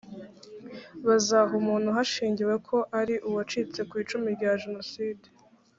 bazaha umuntu hashingiye ko ari uwacitse ku icumu rya jenoside